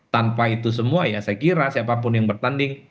tanpa itu semua saya kira siapa pun yang bertanding